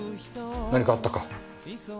何かあったか？